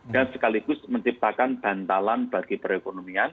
dan sekaligus menciptakan bantalan bagi perekonomian